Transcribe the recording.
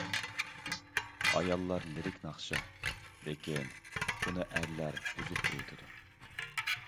ئاياللار لىرىك ناخشا، لېكىن ئۇنى ئەرلەر بۇزۇپ ئېيتىدۇ.